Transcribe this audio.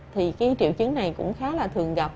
thì cái triệu chứng này cũng khá là thường gặp